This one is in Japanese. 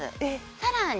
さらに